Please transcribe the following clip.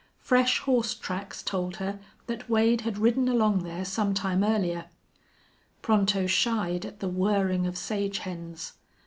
Fresh horse tracks told her that Wade had ridden along there some time earlier. Pronto shied at the whirring of sage hens.